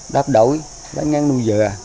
đáp đổi đánh ngang nuôi dừa